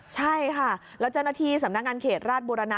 ใช่ค่ะแล้วเจ้าหน้าที่สำนักงานเขตราชบุรณะ